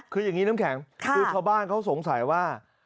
คืออย่างนี้น้ำแข็งคือชาวบ้านเขาสงสัยว่า